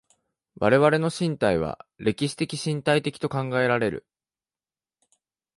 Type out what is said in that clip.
我々の身体は歴史的身体的と考えられる。